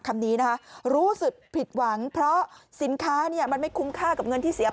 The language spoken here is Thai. คำนี้นะคะรู้สึกผิดหวังเพราะสินค้าเนี่ยมันไม่คุ้มค่ากับเงินที่เสียไป